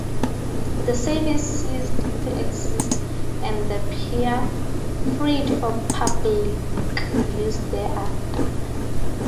The service ceased to exist and the pier freed for public use thereafter.